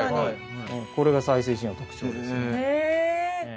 これが再生紙の特徴ですへ